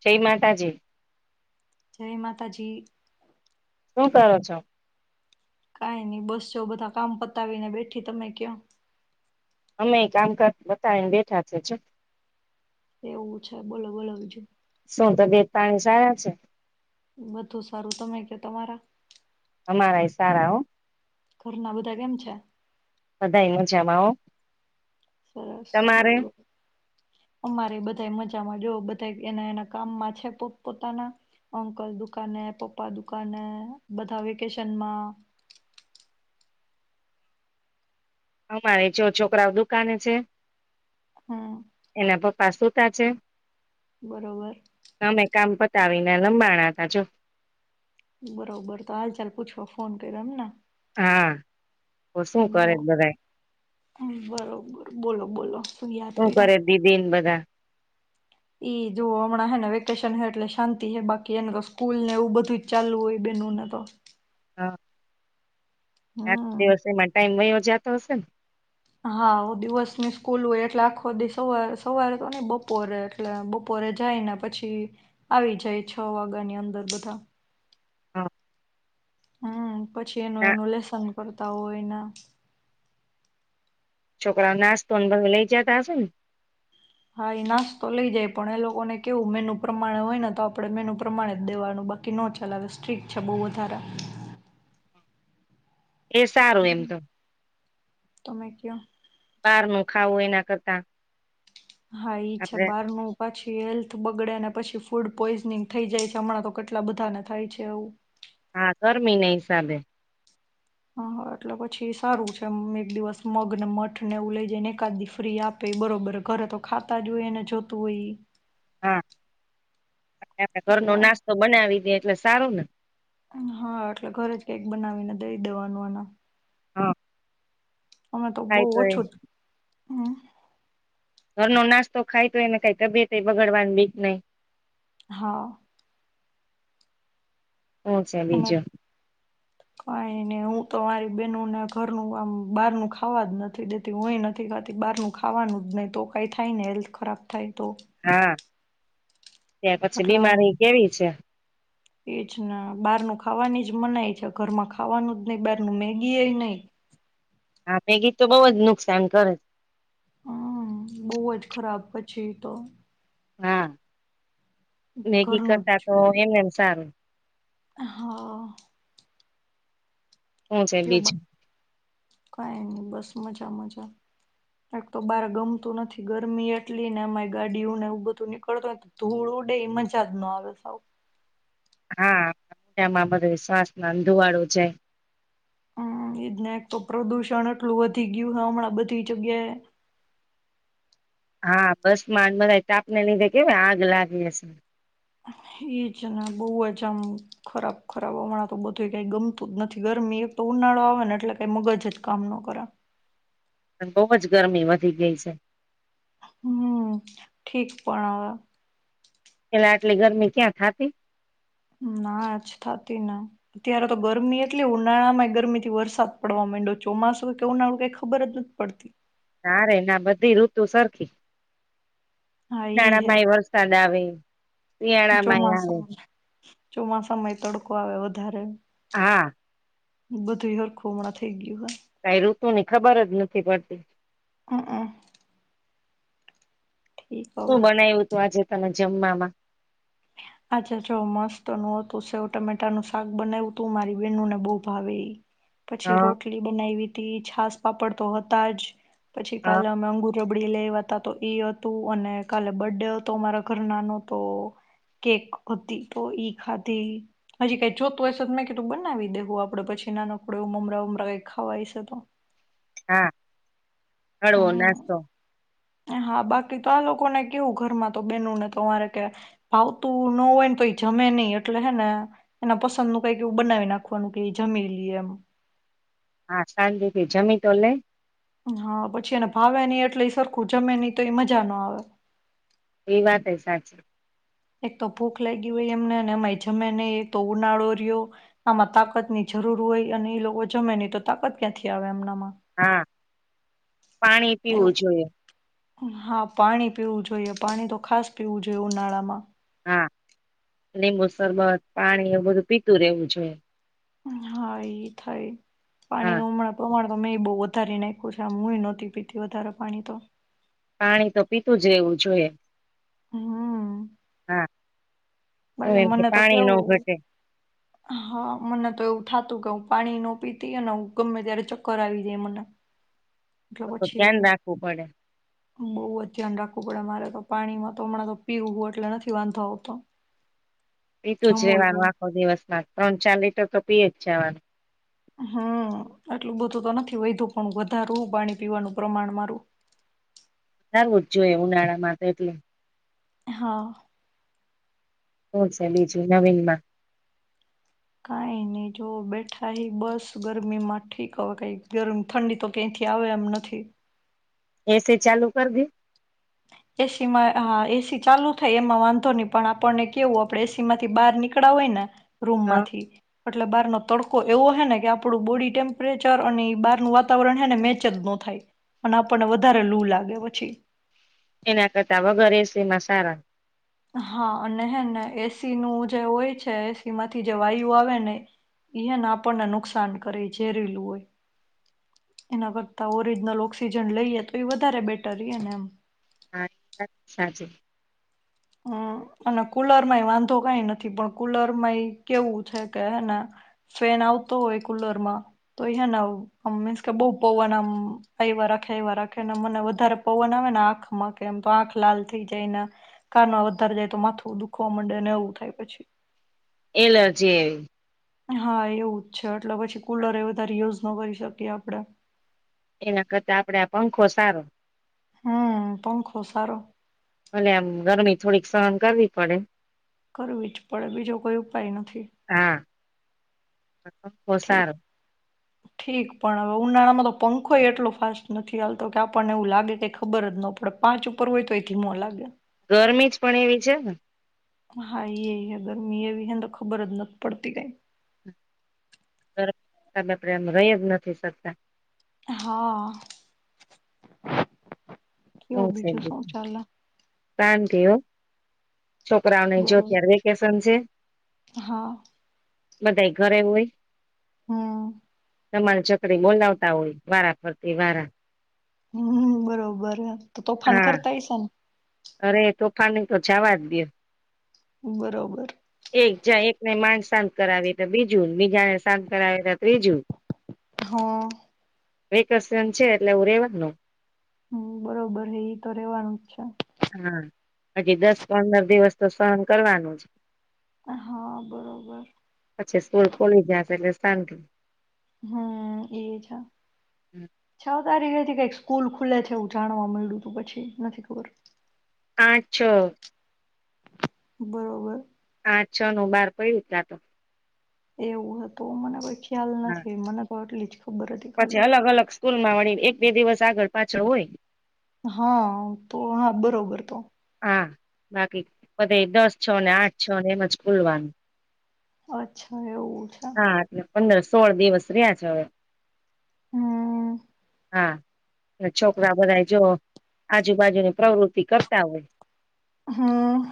જય માતાજી. જય માતાજી. શું કરો છો. કઈ નઈ બસ જો બધા કામ પતાવીને બેઠી તમે ક્યા. અમે કામકાજ બતાવીને બેઠા છે જો. એવું છે બોલો બોલો બીજું. [unintelligible] સાારા છે. બધું સારું તમે કે તમારા. અમારા ઈ સારા હો. ઘરના બધા કેમ છે બધા મજામાં હો સરસ તમારે બરોબર. અમારે બધાય મજામાં જો બધા એના એના કામમાં છે પોત પોતાના અંકલ દુકાને પપ્પા દુકાને બધા વેકેશનમાં અમારે જો છોકરાઓ દુકાને છે. હમ. પ્પા સુતા છે. બરોબર. આવીને લંબાણા તા જો. બરોબર તો હાલ ચાલ પૂછવા ફોન કર્યો એમને. હા. તો શું બ કરે બધા બરોબર બોલો બોલો શુ યાદ શું કરે કર્યા. દીદી ને બધા ઈ જો હમણાં હેને વેકેશન હ એટલે શાંતિ હ બાકી એને તો સ્કૂલ ને એવું બધું જ ચાલુ હોય બેનોને તો. હા. આ હમ દિવસોમાં ટાઈમ વયો જા જાતો હશે ન. હા દિવસની સ્કૂલ હોય એટલે આખો દિવ સવારે સવારે તો નઈ બપોરે એટલે બપોરે જાય ને પછી આવી જાય છ વાગ્યા ની અંદર બધા હા. હમ પછી એનું ના એનું લેસન કરતા હોય એના છોકરાઓ નાસ્તો ને [unintelligible] લઇ જતા હશે ને. હા એ નાસ્તો લઈ જાય પણ એ લોકોને કેવું મેનુ પ્રમાણે હોય ને તો આપડે મેનુ પ્રમાણે જ દેવાનું બાકી ન ચલાવે સ્ટ્રીક છે બહુ વધારે. એ સારું એમ તો તમે કયો બાર ન ખાવું એના કરતા હા ઈ છે આપડે બાર નું પાછી હેલ્થ બગડે ને પછી ફૂડ પોઈઝનિંગ થઈ જાય છે હમણાં તો કેટલા બધાને થાય છે એવું. હા ગરમી ના હિસાબે હા એટલે પછી સારું છે એક દિવસ મગને મઠ ને એવું લઈ જઈ ને એકાદી ફ્રી આપે બરોબર ઘરે તો ખાતા જ હોય એને જોતું હોય ઈ. હા [unintelligible] આપડે ઘરનો એટલે નાસ્તો બનાવી દે. એટલે સારું ને. હા એટલે ઘરે જ કઈક બનાવીને દઈ દેવાનું એન હા. અમે તો બહુ ખાય એ ઓછું જ હમ ઘરનો નાસ્તો ખાય તો એને કઈ તબિયત બગડવાની બીક જ નહી. હા. હું છે એના બીજું કોને તો મારી બહેનોને ઘરનું આમ બહારનું ખાવા જ નથી દેતી હય નથી ખાતી બહારનું ખાવાનું જ નહીં તો કાંઈ થાય ને હેલ્થ ખરાબ થાય તો હા. ત પછી બીમારી કેવી છે. ઈ જ ને બહારનું ખાવાની જ મનાય છે ઘરમાં ખાવાનું જ નહિ બહારનું મેગી એ નહિ. હા મેગી તો બહુ જ નુકસાન કરે છે. હમ બોવ જ ખરાબ પછી તો હા મેગી ઘરનું કરતા જ તો એમ એમ સારું. હા. હું છે કયો બા બીજું? કઈ નઈ બસ મજા મજા એક તો બાર ગમતું નથી ગરમી એટલી ને એમાં ગાડીયુને બધું નીકળતું હોય તો ધૂળ ઉડે મજા જ નો આવે સાવ હા આમાં બધું શ્વાસમાં ને ધુવાળો જાય હમ એજ ને એક તો પ્રદુષણ આટલું વધી ગયું હમણાં બધી જગ્યાએ. હા બસમાં ને બધા તાપને લીધે કેવી આગ લાગે શે. એજ ને બહુ જ આમ ખરાબ ખરાબ હમણાં તો બધું કઈ ગમતું જ નથી ગરમી એક તો ઉનાળો આવે ને એટલે કઈ મગજ જ કામ ન કર અને બહુ જ ગરમી વધી ગઈ છે. હમ ઠીક પણ હવે. પેલા આટલી ગરમી ક્યાં થાતી? ના જ થતી ને અત્યારે તો ગરમી એટલી ઉનાળામાંય ગરમી થી વરસાદ પડવા મયન્ડો ચોમાસું કે ઉનાળું કઈ ખબર જ નથી પડતી. ના રે ના બધી ઋતુ સરખી. હા ઈ હે ઉનાળામાય વરસાદ આવે. હ. શિયાળામાંય આવે. ચોમાસામાંય તડકો આવે વધારે હા. બધુઈ હરખું હમણાં થઈ ગયું હે. કઈ ઋતુ ની ખબર જ નથી પડતી. હ હ. શું બનાવ્યું તું આજે તમે જમવામાં? આજે જો મસ્ત નું હતું સેવ ટમેટાનું શાક બનાયવુંતું મારી બેનુંને બહુ ભાવે ઈ હ પછી રોટલી બનાવી થી છાસ પાપડ તો હતા જ પછી હ કાલ અમે અંગુર રબડી લય આવ્યાતા તો ઈ હતું અને કાલે બર્થડે હતો મારા ઘરના નો તો કેક હતી તો ઈ ખાઘી હજી કઈ જોતું હશે તો મેં કીધું બનાવી દેવું આપડે પછી નાનકહું એવું મમરા મમરા એવુ કઈ ખાવા હશે તો. હા. હળવો હમ્મ નાસ્તો. હા બાકી તો આ લોકોને કેવું ઘરમાં તો બેનને તોરે કે ભાવતું ન હોય ને તો એ જમે નહી એટલે હેને એના પસંદ નું કઈક એવું બનાવી નાખવાનું કે જમી લઈએ એમ. હા શાંતિથી જમી તો લે. હા પછી એને ભાવે ની એટલે એ સરખું જમે ની તો એ મજા ન આવે. એ વાત એ સાચી. એક તો ભૂખ લાગી હોય એમને એમાં જમે નહી એક તો ઉનાળો રહ્યો આમાં તાકત ની જરૂર હોય અને એ લોકો જમે નહી તો તાકાત ક્યાંથી આવે એમનામા. હા પાણી પીવું એવું જોઈએ હા પાણી પીવું જોઈએ પાણી તો ખાસ પીવું જોઈએ ઉનાળામાં હા લીંબુ શરબત, પાણી એવું બધું પીતું રહેેવું જોઈએ હા ઈ થાય પાણી હા નુ હમણાં પ્રમાણ. [unintelligible] મેં એ બહુ વધારી નાખ્યું છે, આ હું નહોતી પીતી વધારે પાણી તો પાણી તો પીતું જ રહેવું જોઈએ હમ્મ હા શું એમ કે મને તો પાણી ન કેવું ઘટે હા, મને તો એવું થાતું કે હું પાણી ન પીતી ને હ ગમે ત્યારે ચક્કર આવી જાય મને એટલે તો પછી ધ્યાન રાખવું પડે બહુ જ ધ્યાન રાખવું પડે મારે તો પાણીમાં તો હમણાં તો પીવું એટલે નથી વાંધો આવતો પિતુ જ જમું એવું રેવાનું આખો દિવસ મા ત્રણ, ચાર, લીટર તો પીય જ જવાનું. હમ્મ આટલું બધું તો નથી વઈધુ પણ વધારું પાણી પીવાનું પ્રમાણ મારું. થાવુંજ જોઈએ ઉનાળામાં તો એટલું હા શું છે બીજું નવીનમા કઈ નઈ જો બેઠા એ બસ ગરમી માં ઠીક હ કઈ ગરમ ઠંડી તો કઈથી આવે એમ નથી એસી ચાલુ કર દે એસી માં હા એસી ચાલુ થાય એમાં વાંધો નહી પણ આપણને કેવું આપડે એસી માંથી બહાર નીકળાવ હોય ને રૂમ માંથી એટલે બહાર નો તડકો એવો હે ને કે આપણું બોડી ટેમ્પરેચર અને બહારનું વાતાવરણ હે ને મેચ જ ન થાય અને આપણને વધારે લુ લાગે પછી એના કરતા વગર એસી માં સારા હા, અને હે ને એસી નું જે હોય છે એસી માંથી જે વાયુ આવે ઈહે ને એને આપણને નુકસાન કરે ઝેરેલું હોય એના કરતા ઓરિજનલ ઓક્સિજન લઈએ તો એ વધારે બેટર રીએ ને એમ [unintelligible] સાચી હમ્મ અને કુલરમાંય વાંધો કઈ નથી પણ કુલરમાં એ કેવું છે કે હે ને ફેન આવતો હોય કુલર માં તો એ હને મીન્સ કે બઉ પવન આમ એવા રાખે એવા રાખે મને વધારે પવન આવે ને આંખમાં કે એમ તો આંખ લાલ થઈ જાય ન કાનમ વધારે જાય તો માથું દુખવા માંડે ને એવું થાય પછી એલે જે હા એવું છે એટલે પછી કુલર એ વધારે યુઝ નો કરી શકીએ આપડે એના કરતા આપડે આ પંખો સારો હમ્મ પંખો સારો ભલે આમ ગરમી થોડીક સહન કરવી પડે કરવી જ પડે બીજો કોઈ ઉપાય નથી હા પંખો સારો ઠીક-ઠીક પણ હવે ઉનાળામાં તો પંખો એટલો ફાસ્ટ નથી હાલતો કે આપણને એવું લાગે કેય ખબર જ ન પડે પાંચ ઉપર હોય તોય ધીમો લાગે. ગરમી જ પણ એવી છે ને. હા ક એય હે ગરમી એવી હે ને તો ખબર જ નથી પડતી કાંઈ. [unintelligible] આપણે આમ રહી જ નથી શકતા. હા. કેવું હું છે બીજું સું ચાલે? શાંતિ હો. છોકરાઓને જો બરોબર અત્યારે વેકેશન છે. હા બધાંય ઘરે હોય હમ્મ. ધમાલ ચકડી બોલાવતા હોય, વારા ફરતી વારા. હમ્મ બરોબર હે. તોફાન હા કરતા હયસે ને? અરે તોફાની તો જાવા જ દયો. બરોબર એક જાય એકને માર શાંત કરાવી તો બીજું, બીજાને શાંત કરાવી તો ત્રીજું. હા. વેકેશન છે એટલે એવું રેવાનું. હમ્મ બરોબર હે ઈ તો રેવાનું જ છે. હા હજી દસ પંદર દિવસ તો સહન કરવાનું જ. હા બરોબર. પછી સ્કૂલ ખુલી જાશે એટલે શાંતિ. હમ્મ એ છે, છ તારીખએથી કાંઈક સ સ્કૂલ ખુલે છે એવું જાણવા મળ્યું તું પછી નથી ખબર. આઠ છ. બરોબર. છનું બહાર પડ્યું આ તો. એવું હતું મને વચ ખ્યાલ હા, નથી મને તો અટલી. ખબર હતી ખાલી. સ્કૂલ માં વળી એક બે દિવસ આગળ પાછળ હોય. હા તો આ બરોબર તો. હા બાકી બધાંય દસ છ ને આઠ છ ને એમ જ ખુલવાનું. અચ્છા એવું છે. હા એટલે પંદર સોળ દિવસ રહ્યા છે હવે. હમ્મ. હા છોકરા બધા જો આજુબાજુની પ્રવૃત્તિ કરતા હોય. હમ.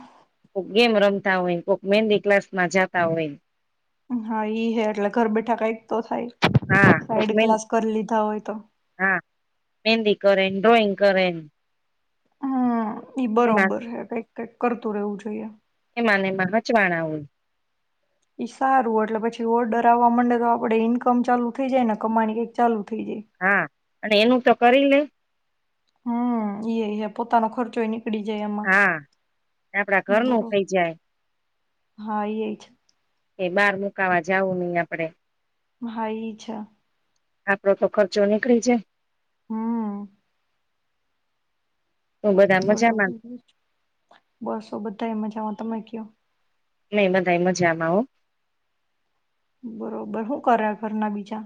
કોક ગેમ રમતા હોય કોક મેંદી ક્લાસમાં જાતા હોય. હા ઈ હ એટલે ઘર બેઠા કઈક તો હા થાય કોક સાઈડ મહેંદી ક્લાસ કરી લીધા હોય તો. હા મેહેંદી કરે ડ્રોઈંગ કરે. હમ એમાં બરોબર હ. કઈક કરતું રહેવું જોઈએ. માનેમાંચવાણાવું. ઈ સારું એટલે પછી ઓર્ડર આવવા માંડે તો આપડે ઈન્કમ ચાલુ થઈ જાયને કમાની કઈક ચાલુ થઈ જાય હા અને એનું તો કરી લે. હમ ઈ પોતાનો ખર્ચો એની હા આપડા ઘરનું બરોબર થઇ જાય. હા એ જ. એ બહાર મુકાવા જવું નહી આપડે. ભાઈ છે. આપડો તો ખર્ચો નીકળી જાય. હમ. તો બધા બોલો મજામાં બોલો. બસ હો બધા એ મજામાં. તમે ક્યો. નહી બધાય મજામાં હો. બરોબર શું કરે ઘરના બીજા?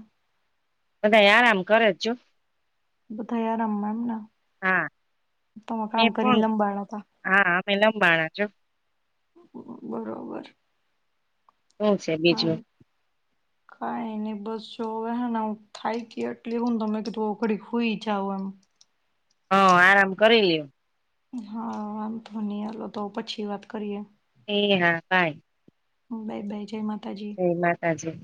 બધાય આરામ કરે સે જો. બધા આરામમાં એમને હા તમે કામ મેં કરીને પણ લંબાણા હતા. હા અમે લંબાણા જો. બરોબર. શું છે હ બીજું કઈ નહી બસ જો હવે હે ને હું થાયકી એટલી હું ને તો મેં કીધું હવે ઘડીક હુઈ જાવ એમ. હ આરામ કરી લ્યો. હા વાંધો નઈ હાલો તો પછી વાત કરીએ. એ હા બાય. બાય બાય જય માતા જય માતાજી.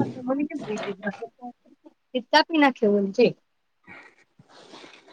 અ તો મને કેમ દય દીધા સે ઈ તો કાપી નાંખે ઓલી. ઠીક. [inaudible]